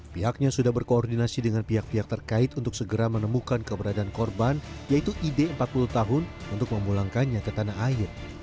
pihaknya sudah berkoordinasi dengan pihak pihak terkait untuk segera menemukan keberadaan korban yaitu id empat puluh tahun untuk memulangkannya ke tanah air